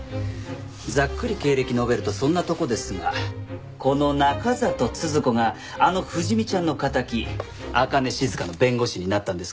ざっくり経歴述べるとそんなとこですがこの中郷都々子があの不死身ちゃんの敵朱音静の弁護士になったんですか？